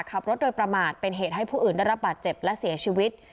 ขับรถโดยประมาทเป็นเหตุให้ผู้อื่นได้รับบาดเจ็บและเสียชีวิต